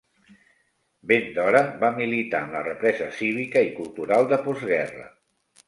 Ben d'hora, va militar en la represa cívica i cultural de postguerra.